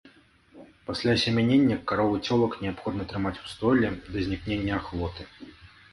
Пасля асемянення кароў і цёлак неабходна трымаць ў стойле да знікнення ахвоты.